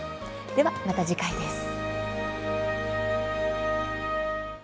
では、また次回です。